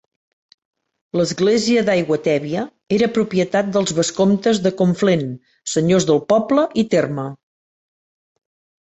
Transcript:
L'església d'Aiguatèbia era propietat dels vescomtes de Conflent, senyors del poble i terme.